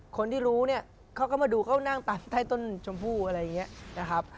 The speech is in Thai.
คนที่รู้เนี่ยเขาก็มาดูเขานั่งตัดใต้ต้นชมพู่อะไรอย่างนี้นะครับ